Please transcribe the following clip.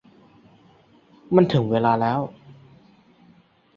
มันถึงเวลาแล้ว